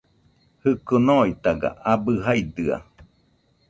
Jiko noitaga abɨ jaidɨa